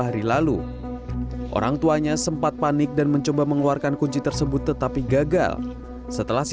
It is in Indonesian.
hari lalu orang tuanya sempat panik dan mencoba mengeluarkan kunci tersebut tetapi gagal setelah si